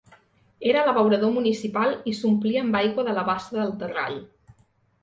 Era l'abeurador municipal i s'omplia amb aigua de la bassa del Terrall.